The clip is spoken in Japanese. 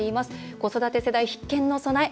子育て世代必見の備え。